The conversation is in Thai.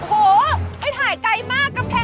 โอ้โหไปถ่ายไกลมากกำแพง